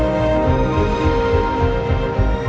kita bisa berdua kita bisa berdua